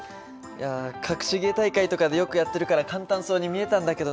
いや隠し芸大会とかでよくやってるから簡単そうに見えたんだけどな。